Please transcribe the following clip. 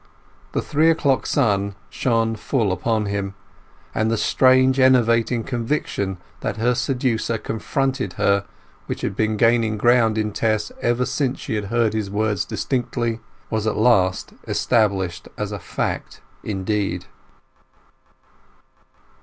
The three o'clock sun shone full upon him, and the strange enervating conviction that her seducer confronted her, which had been gaining ground in Tess ever since she had heard his words distinctly, was at last established as a fact indeed.